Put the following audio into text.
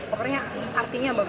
pokoknya artinya bagus banget